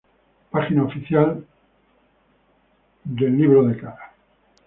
Página oficial de facebook.